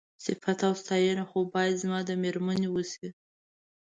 صيفت او ستاينه خو بايد زما د مېرمنې وشي.